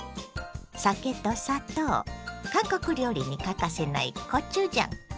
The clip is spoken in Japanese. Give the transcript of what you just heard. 酒と砂糖韓国料理に欠かせないコチュジャン。